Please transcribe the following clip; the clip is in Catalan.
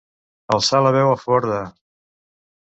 Alçar la veu a favor de.